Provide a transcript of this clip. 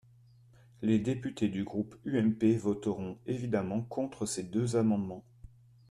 Les députés du groupe UMP voteront évidemment contre ces deux amendements.